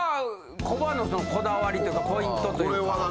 コバのそのこだわりというかポイントというか？